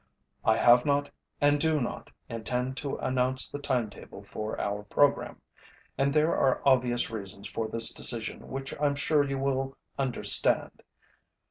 I have not, and do not, intend to announce the timetable for our program, and there are obvious reasons for this decision which IÆm sure you will understand.